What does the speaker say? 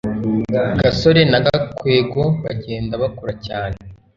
gasore na gakwego bagenda bakura cyane